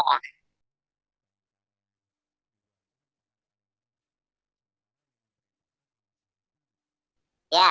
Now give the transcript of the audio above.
mungkin begitu takdiran saya